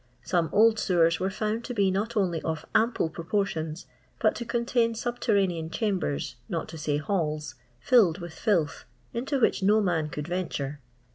Some old sewers were found to be not only of ample proportions, but to contain subter ranean chambers, not to lay halls, filled with filth, into which no man could venture.